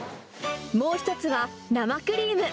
もう一つは生クリーム。